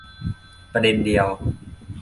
ประเด็นเดียว